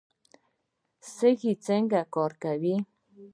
سږي څنګه کار کوي؟